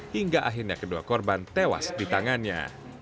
hingga akhirnya kedua korban tewas di tangannya